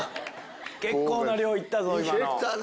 結構な量行ったぞ今の。